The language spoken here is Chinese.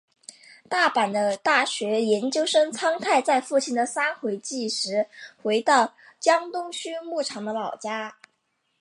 大阪的大学研究生苍太在父亲的三回忌时回到江东区木场的老家。